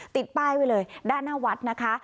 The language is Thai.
ติดป้ายไว้เลยด้านหน้าวัดนะคะ